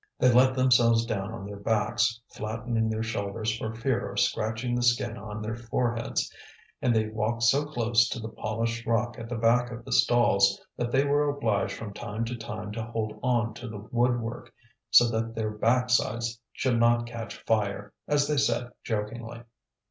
They let themselves down on their backs, flattening their shoulders for fear of scratching the skin on their foreheads, and they walked so close to the polished rock at the back of the stalls that they were obliged from time to time to hold on to the woodwork, so that their backsides should not catch fire, as they said jokingly.